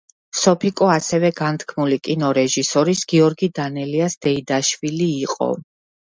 სოფიკო ასევე განთქმული კინორეჟისორის გიორგი დანელიას დეიდაშვილი იყო.